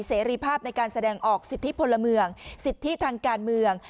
เสรีภาพในการแสดงออกสิทธิพลเมืองสิทธิทางการเมือง